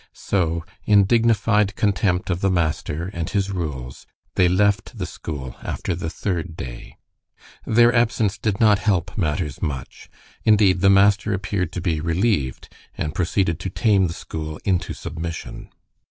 So, in dignified contempt of the master and his rules, they left the school after the third day. Their absence did not help matters much; indeed, the master appeared to be relieved, and proceeded to tame the school into submission.